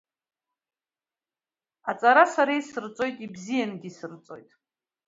Аҵара сара исырҵоит, ибзиангьы исырҵоит…